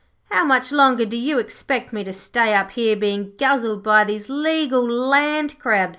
'How much longer do you expect me to stay up here, bein' guzzled by these legal land crabs?'